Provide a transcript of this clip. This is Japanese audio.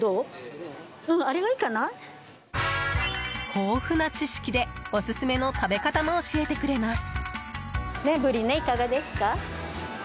豊富な知識で、オススメの食べ方も教えてくれます。